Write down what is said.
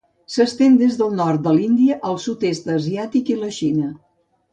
S'estén des del nord de l'Índia al sud-est asiàtic i la Xina.